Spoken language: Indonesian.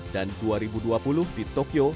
dua ribu dua puluh di tokyo